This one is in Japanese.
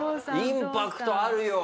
インパクトあるよ。